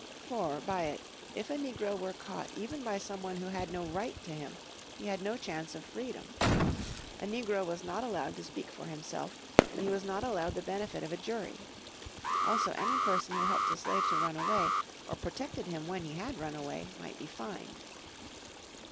For, by it, if a negro were caught even by some one who had no right to him, he had no chance of freedom. A negro was not allowed to speak for himself, and he was not allowed the benefit of a jury. Also any person who helped a slave to run away, or protected him when he had run away, might be fined.